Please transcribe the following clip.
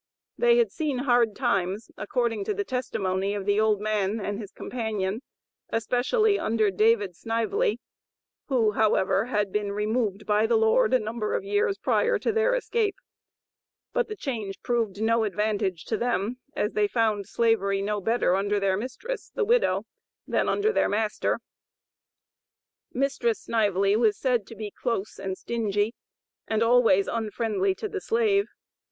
They had seen hard times, according to the testimony of the old man and his companion, especially under David Snively, who, however, had been "removed by the Lord" a number of years prior to their escape; but the change proved no advantage to them, as they found Slavery no better under their mistress, the widow, than under their master. Mistress Snively was said to be close and stingy, and always unfriendly to the slave.